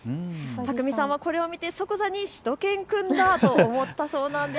宅見さんはこれを見て即座にしゅと犬くんだと思ったそうなんです。